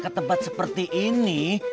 ketempat seperti ini